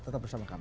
tetap bersama kami